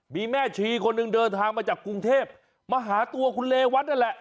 มีแม่ชีคนหนึ่งเดินทางมาจากกรุงเทพมาหาตัวคุณเรวัตนั่นแหละ